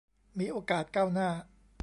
มีโอกาสก้าวหน้า